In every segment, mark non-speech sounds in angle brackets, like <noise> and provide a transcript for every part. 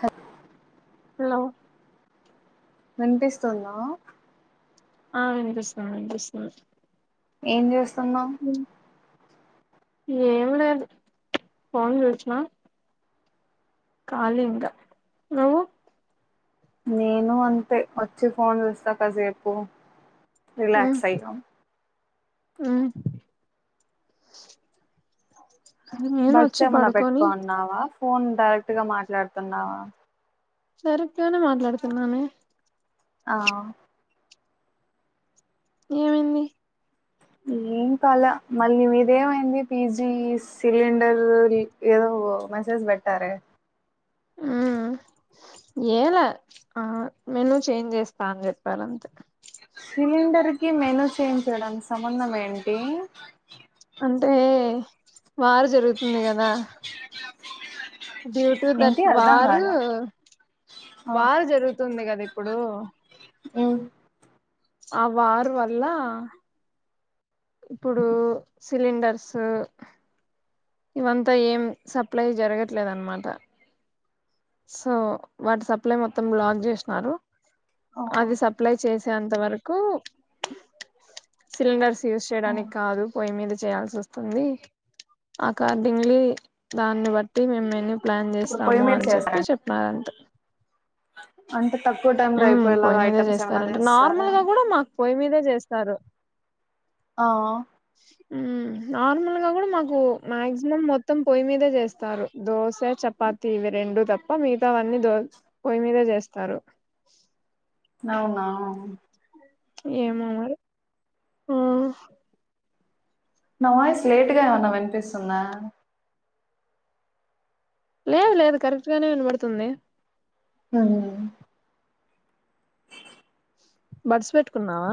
Hatf hello వినిపిస్తుందా ఆ వినిపిస్తుంది వినిపిస్తుంది ఎం జేస్ తున్నావ్ ఎం లేదు ఫోన్ జూసిన కాలి ఇంగ నువ్వు నేను అంతే వచ్చి ఫోన్ చూస్తా కాసేపు రిలాక్స్ అయ్యాం హ్మ్ నేను బడ్స్ వచ్చి ఏమన్నా పడుకొని పెట్టుకోన్నావా ఫోన్ డైరెక్టుగా మాట్లాడుతున్నావా సరిగ్గానే మాట్లాడుతున్నానే ఆ ఏమైంది ఎం కాలే మళ్ళీ మీది ఏమైంది పీజీ సిలిండర్ ఏదో మెసేజ్ పెట్టారే ఉ ఎలే ఆ మెను చేంజ్ చేస్తా అని చెప్పారంతే సిలిండర్కిి మెను చేంజ్ చేయడానికి సంబంధం ఏంటి అంటే వార్ జరుగుతుంది కదా డ్యూ టు దట్ ఏంటి అర్ధం వారు కాల ఆ వార్ జరుగుతూ తుంది కద ఇప్పుడు ఉ ఆ వార్ వళ్ళ ఇప్పుడు సిలిండర్సు ఇవంత ఏం సప్లై జరగట్లేధన్నమాట సో వాటి సప్లై మొత్తం బ్లాక్ చేసినారు ఆ అది సప్లై చేసి య్యే అంత వరకు సిలిండర్స్ యూస్ ఆ చేయడానికి కాదు పోయి మీద చేయాల్సొస్తుంది అకార్డింగ్లీ దాన్ని బట్టి మేమ్ మెను ప్లాన్ ఇప్పుడు పొయ్యి జెస్తాము అని చెప్ చెప్న్నారుారంత అంతే ఉ పొయ్యి మీదే చేస్తారంటే నార్మల్ చేస్తారా గా కూడా మాకు పొయ్యి మీదే చేస్తారు తరు ఆ నార్మల్గా కూడా మాకు మాక్సిమం మొత్తం పొయ్యి మీదే చేస్తారు దోశ చపాతి ఇవి రెండు తప్ప మిగతావన్నీ దో పొయ్యి మీదే చేస్తారు అవునా ఏమ మరి ఆ నా వాయిస్ లేటుగా ఏమన్నా వినిపిస్తుందా లేదు లేదు కరెక్ట్ గానే వినబడుతుంది హ్మ్మ్ <inaudible> బడ్స్ పెట్టుకున్నావా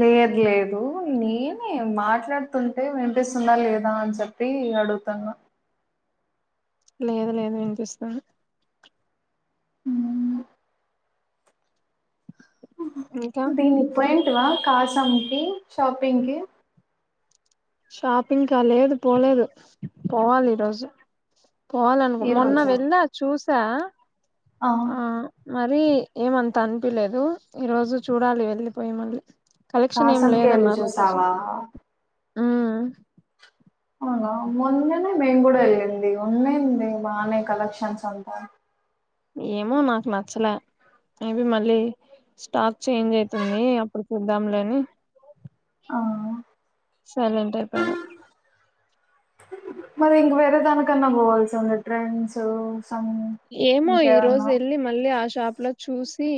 లేదు లేదు నేనే మాట్లాడుతుంటే వినిపిస్తుందా లేదా అని చెప్పి అడుగుతున్నా లేదు లేదు నేను చూస్తాను ఉ ఇంకా దీనిపోయి కాసంకిి షాపింగ్కి షాపింగ్ క లేదు పోలేదు పోవాలి ఈరోోజు పోవాలనుకో ఈ మొన్న రోజా వెళ్దా చూసి సా ఆ మరి ఏమంత అనిపిలేదు ఈ రోజు చూడాలి వెళ్ళిపోయి మళ్ళీ కలెక్షన్ ఏం కాసం కేళు చూసావా మ్మహ్ అవునా మొన్ననే మేము కూడా వెళ్ళింది ఉన్నాంది బాగానే కలెక్షన్స్ అంతా ఏమో మా కు నచ్చలే మేబి మళ్ళీ స్టాక్ చేంజ్ అయితుంది అప్పుడు చూద్దాంలేని ఆ సైలెంట్ అయిపోనా మరి ఇంక వేరే దానికన్నా పోవాల్సి ఉంది ట్రెండ్స్ సం ఏమో ఈ రోజు ఇంకేమన్నా వెల్లి మళ్ళీ ఆశ షాప్లో చూసి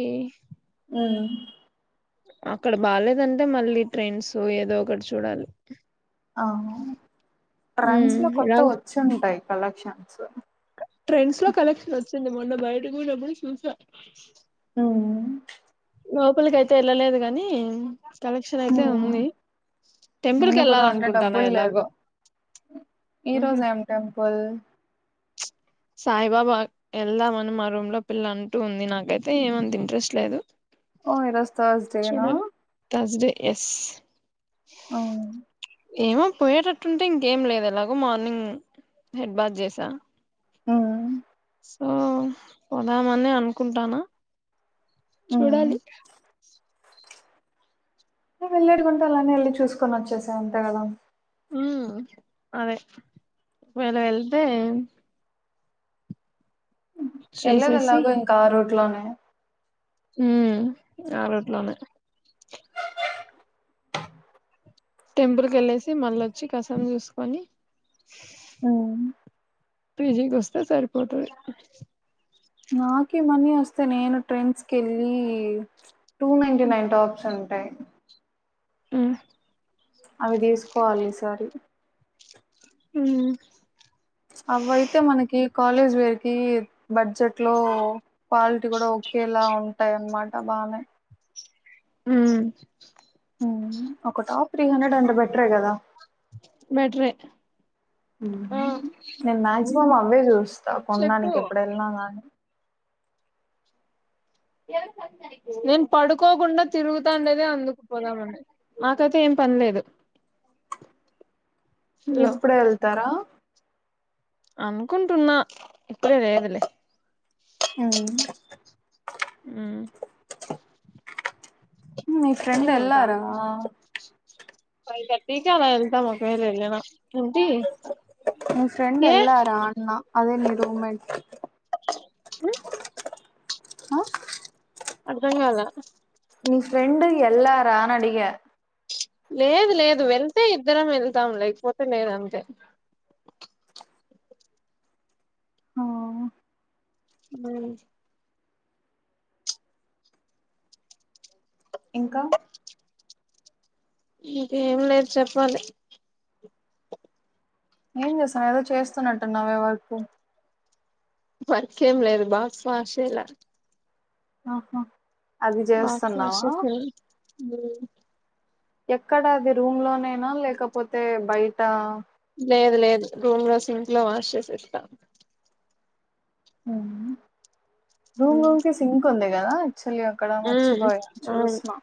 అవును అక్కడ బాలేదంటే మళ్ళీ ట్రెండ్స్ ఏదో ఒకటి చూడాలి అవు ట్రెండ్స్ ఉమ్ లో కొత్త ఇలాగ వచ్చింటాయి కలక్షన్స్ ట్రెండ్స్ లో కలెక్షన్ వచ్చ కొ మొన్న బయతపోయినబ్బుడు చూసా అవును లోపలికియితే వెళ్ళలేదు కాని కలెక్షన్ అయితే ఉంది టెంపుల్ నేను పోదాం అంటే కెళ్ళాలనుకుంటాను డబ్బులు లేదు ఎలాగో ఈ రోజు ఏం టెంపుల్ సాయిబాబా వెళ్దామని మా రూమ్ లో పిల్ల అంటూ ఉంది నాకైతే ఏమంత ఇంట్రెస్ట్ లేదు ఓ ఈరోజు థర్స్డేనా చూడాలి థర్స్డే ఎస్ అవును ఏమో పోయేటట్టుంటే ఇంకేం లేదు ఎలాగో మార్నింగ్ హెడ్ బాత్ చేసా మ్మహ్ సో పోదామని అనుకుంటానా ఉమ్ చూడాలి వెళ్ళడుకుంటే అలానే వెళ్ళి చూసుకొని వచ్చేసా అంతే కదా మ్మ్ అదే ఒకవేళ ఏళ్తే చేసేసి ఎల్లేదేలాగో ఆ రూట్లోనే ఆ మ్మ్ ఆ రూట్లోనే టెంపుల్ కెళ్ళేసి మళ్ళ వచ్చి కసం చూసుకొని మ్మహ్ పీజీకొస్తే సరిపోతాది నాకే మనీ వస్తే నేను ట్రెండ్స్ కె ళ్ళి టూ నైన్టీ నైన్ టాప్స్ ఉం ప్రే ఆ అవి తీసుకోవాలి ఈసారి హ అవిఐతే మనకి కాలేజ్ వేర్ కి బడ్జెట్ లో కాలిటీ కూడా ఒకఓకేలా ఉంటే ట అనమాట బాగానే హ ఒక టాప్ త్రీ హండ్రెడ్ అంటే బెటరే కదా బెటరే ఆ నా అ మమ్మీ చూస్తుంది చెప్పు కొండానికి ఎప్పుడు వెళ్ళినా కానీ నేను పడుకోకుండా తిరుగుతాండేది అందుకుపోదామని మాకైతే ఏం పనిలేదు ఇప్పుడు వెళ్తారా అనుకుంటున్నా ఇప్పుడే లేదులే అవు ఆ మీ ఫ్రెండ్ వెళ్ళ ర ఫైవ్ థర్టీ ఎంత మాకు వెళ వెళ్ళనా ఫ్రెండ్ ఏ వేలర్ ఆను అదే లేదు అమ్మాయి అ ఆ అగ అాల న ఫ్రెం వెలిలరా అగా లేదు లేదు వెళ్తే ఇద్దరం వెళ్తాం లేకపోతే లేదంతే ఆ అ ఇంకా ఇంకేం లేదు చెప్పాలి ఏం చేసాం ఏదో చేస్తున్నట్టున్నావవే వరకు వర్క్ ఆమె లేదు ఆశలా ఆఓహో బస్ ఎక్కడా అది రూమ్ లోనేైనా లేకపోతే బయట లేదు లేదు రూమ్ లో సింక్ లో వాష్ చేసి ఇస్తాం అ రూమ్ ఉమ్ రూమ్ క సింక్ ఉంద అక్కడ మర్చిపోయి అవును చూసమా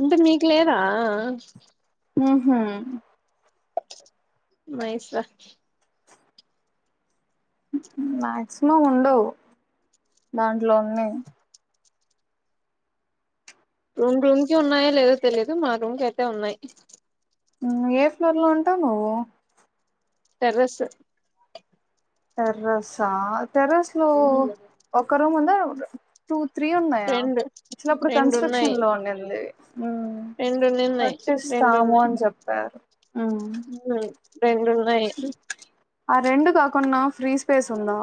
అంటే మీకు లేదా మ్మ్ హ్మ్ మైస్ర మాక్సిమం ఉండవు దాంట్లో ఉన్నయి రూమ్ రూమ్ కి ఉన్నాయా లేదో తెలీదు మా రూమ్ కి అయితే ఉన్నాయి మ్మ్ ఏ ఫ్లోర్ లో ఉంటావు నువ్వు టెర్రస్ టెర్రస్సా టెర్రస్ లో ఒక్ క రూమ్ ఉందా టు త్రీ ఉన్నాయా రెండు వచ్చినప్పుడు రెండు ఉన్నాయి. కన్స్ట్రక్షన్ లో ఉన్నింది మ్మ్ రెండున్నాయి రెండున్నిన్నాయి కట్టిస్తాము రెండున్నాయి అని చెప్పారు రెండు ఉన్నాయి ఆ రెండు కాకుండా ఫ్రీ స్పేస్ ఉందా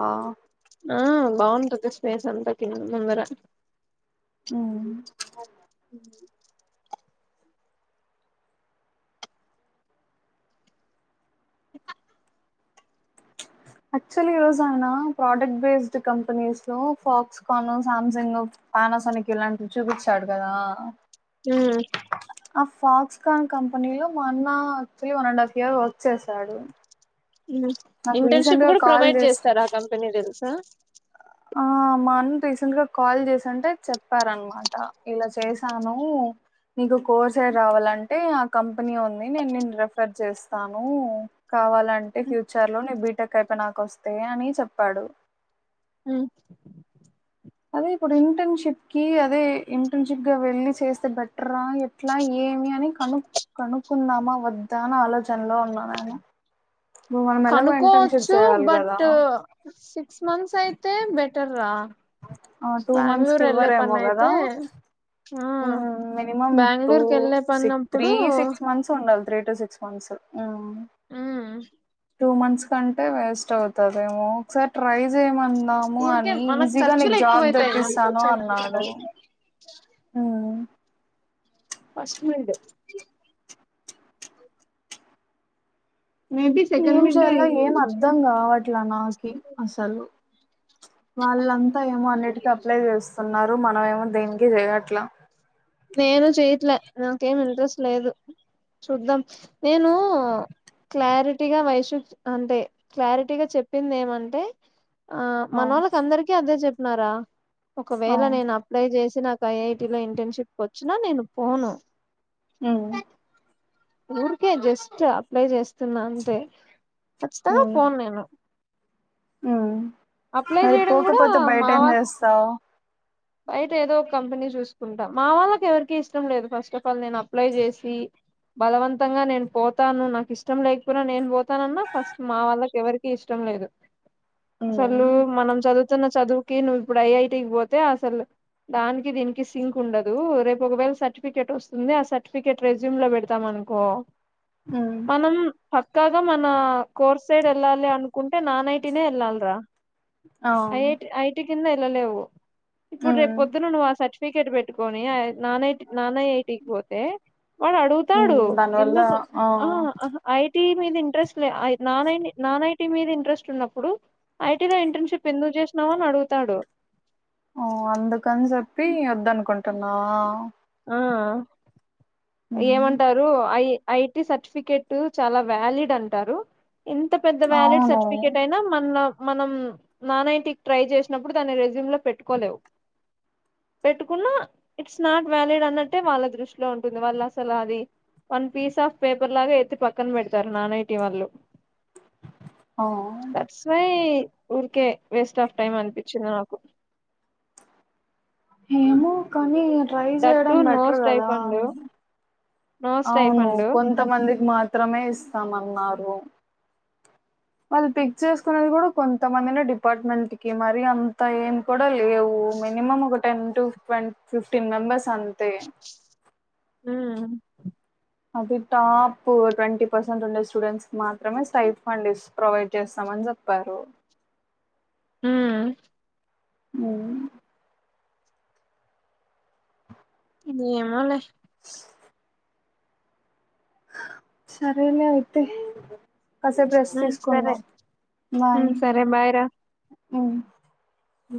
ఆ బాగుంటది స్పేస్ అంతా కింద ముందర మ్మ్ హ యాక్చువల్లీ ఈరోజు ఆయన ప్రోడక్ట్ బేస్డ్ కంపెనీస్ లో ఫాక్స్కాను సామ్సంగ్ పానసోనిక్ ఇలాంటివి చూపిచ్చాడు కదా హ్మ్ ఆ ఫాక్స్కాన్ కంపెనీ లో మా అన్న actually one and half year work చేశాడు నాకు ఇంటర్న్షిప్ రీసెంట్‌గా కూడా కాల్ ప్రొవైడ్ చేసి చేస్తారు ఆ కంపెనీ చేస్ ఆ ఆ మాన్న రీసెంట్గా కాల్ చేసింటే చెప్పారనమాట ఇలా చేశాను నీకు కోర్సే రావాలంటే ఆ కంపెనీ ఉంది నేను నేను రెఫర్ చేస్తాను కావాలంటే ఫ్యూచర్లో నేను బీటెక్ అయిపోయి నాక వస్తే అని చెప్పాడు మ్మ్ అదే ఇప్పుడు ఇంటర్న్షిప్ కి అదే ఇంటర్న్షిప్గా వెళ్ళి చేస్తే బెటరా ఎట్లా ఏమి అని కను కనుక్కుందామా వద్దా అని ఆలోచనలో ఉన్నా నేను ఇప్పుడు మనం ఎలాగో ఇంటర్న్‌షిప్ కనుకోవచ్చు చేయాలి గదా! బట్ సిక్స్ మంత్స్ అయితే బె టర్రా ఆ టూ మంత్స్ కి ఇవ్వరేమో కదా అయితే ఆ మినిమం టూ బెంగళూరుకి వెళ్ళే సి త్రీ పన్నప్పుడు సిక్స్ మంత్స్ ఉండాలి త్రీ అంటే సిక్స్ మంత్స్ మ్మ్ మ్మ్ టూ మంత్స్ కంటే వేస్ట్ అవతదేమో ఒకసారి ట్రై జేయమందాము ఊరికే అని మనకు ఈజీగా ఖర్చులు నీకు జాబ్ ఎక్కువైతాయి మనకు తెప్పిస్తాను వచ్చేదానికన్నా అన్నాడు ఫస్ట్ మిడ్ మేబి సెకండ్ ఏం మిడ్ చేయలో అయి ఏం అర్థం కావట్లా నాకి అసలు వాళ్ళంతా ఏమో అన్నిటికీ అప్లై చేస్తున్నారు రు మనమేమో దేనికి చేయట్లా నేను చేయట్లే నాకేమి ఇంట్రెస్ట్ లేదు చూద్దాం నేను క్లారిటీగా వైషు అంటే క్లారిటీగా చెప్పింది ఏమంటే ఆ అవు మనోళ్ళకి అందరికీ అదే చెప్ న్నారా ఒకవేళ అవు నేను అప్లై చేసి నాకు ఐఐటి లో ఇంటర్న్షిప్ వచ్చిన నేను పోను ఉమ్ ఊర్కే జస్ట్ అప్లై జెస్ తున్నా అంతే, ఖచ్చితంగ పోను నేను. ఉమ్ అప్లై మరి చేయడం కూడా పోకపోతే బయట మా ఏం చేస్తావు. బయట ఏదోక కంపెనీ చూసుకుంటా. మా వాళ్ళకి ఎవరికి ఇష్టం లేదు ఫస్ట్ ఆఫ్ ఆల్ నేను అప్లై చేసి బలవంతంగా నేను పోతాను, నాకు ఇష్టం లేకపోనా నేను పోతానన్నా ఫస్ట్ మా వాళ్ళకి ఎవరికి ఇష్టం లేదు. అసలు హ్మ్ మనం చదువు తున్న చదువుకి నువ్ ఇప్పుడు ఐ ఐ టీ కి పోతే ఆస్ సలు దానికి దీనికి సింక్ ఉండదు, రేపు ఒకవేళ సర్టిఫికెట్ వస్తుంది, ఆ సర్టిఫికేట్ రెజ్యూమ్ లో పెడతాం అనుకో హ్మ్ మనం పక్కాగా మన కోర్ సైడ్ వెళ్ళాలి అనుకుంటే నాన్ ఐ టి నే వెళ్ళాలిరా. అ ఐఐటి ఐటీ కింద ఎల్ల లేవు. ఇప్పుడు రేప్పొద్దున నువా సర్టిఫ్ క్రికెట్ పెట్టుకొని I non I, non I I T కిపోతే వాడడుగుతాడు, హ్మ్ దానివల్ల ఎందుకు ఆ అహా హ్ ఐ టీ మీద ఇంట్రెస్ట్ లే ఐ నాన్ ఐటీ మీద ఇంట్రెస్ట్ ఉన్నప్పుడు ఐటీ లో ఇంటర్న్షిప్ ఎందుకు చేసినావని అడుగుతాడు. ఆ అందుకని చెప్పి వద్దనుకుంటున్నవా ఆ హ్మ్ ఏమంటారు అయ్ ఐ టి సర్టిఫికెట్ చాల వ్యాలిడ్ అంటారు. ఇంత పెద్ద వ్యాలిడ్ అవును. సర్టిఫికెట్ అయినా, మన మనం నాన్ ఐ టీ కి ట్రై చేసినప్పుడు దాన్ని రెజ్యూమ్ లో పెట్టుకోలేవు. పెట్టుకున్న ఇట్స్ నాట్ వ్యాలిడ్ అన్నట్టే వాళ్ళ దృష్టిలో ఉంటుంది, వాళ్ళు అసలు అది వన్ పీస్ ఆఫ్ పేపర్ లాగా ఎత్తి పక్కన పెడతారు నాన్ ఐ టి వాళ్ళు. ఆ థట్స్ వై ఊరికే వేస్ట్ ఆఫ్ టైమ్ అనిపిచింది నాకు. హేమో కనీ అట్ ట్రై దట్ టు చేయడం నో బెట్టర్ కదా స్టైఫండ్ అన్ నో అవును స్టైఫండ్ కొంతమందికి మాత్రమే ఇస్తామన్నారు. వాళ్ళు పిక్ చేసుకున్నది కూడ కొంతమందినే డిపార్ట్మెంట్కి, మరి అంత ఏమ్ కూడా లేవు. మినిమం ఒక ten to twenty fifteen members అంతే. ఉమ్ అది టాప్ ట్వంటీ పర్సెంట్ ఉండే స్టూడెంట్స్ కి మాత్రమే స్టై ఫండ్ ఇస్ ప్రొవైడ్ చేస్తామని చెప్పారు. ఉమ్ ఉమ్ ఏమొలే సరేలే అయితే కాసేపు రెస్ట్ సరే తీసుకుందాం సరే బయ్ రా మ్మ్ అ